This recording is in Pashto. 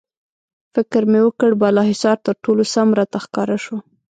فکر مې وکړ، بالاحصار تر ټولو سم راته ښکاره شو.